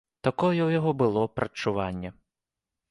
Такое ў яго было прадчуванне.